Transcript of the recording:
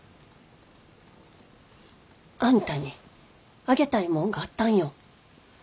あんたにあげたいもんがあったんよ。